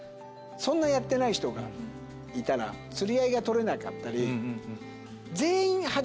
そんなやってない人がいたら釣り合いが取れなかったり。